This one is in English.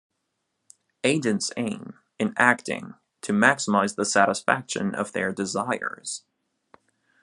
Agents aim, in acting, to maximize the satisfaction of their desires.